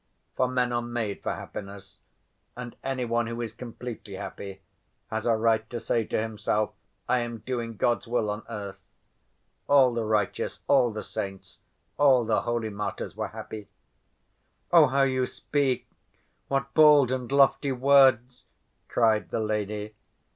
For men are made for happiness, and any one who is completely happy has a right to say to himself, 'I am doing God's will on earth.' All the righteous, all the saints, all the holy martyrs were happy." "Oh, how you speak! What bold and lofty words!" cried the lady.